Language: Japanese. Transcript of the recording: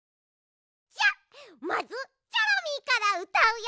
じゃまずチョロミーからうたうよ。